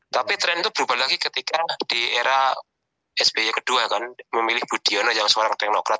tapi tren itu berubah lagi ketika di era sby kedua kan memilih budiono yang seorang teknokrat